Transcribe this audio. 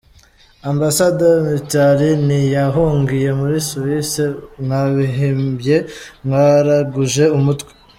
-Ambassador Mitali ntiyahungiye muri Suisse, mwabihimbye, mwaraguje umutwe.